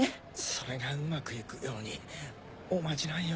それがうまくいくようにおまじないを。